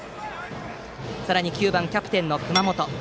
さらに９番、キャプテンの熊本。